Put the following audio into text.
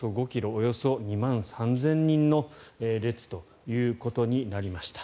およそ２万３０００人の列ということになりました。